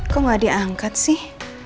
kok gak diangkat sih